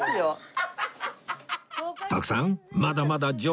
徳さんまだまだ序盤